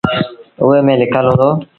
اُئي ميݩ لکل هُݩدو۔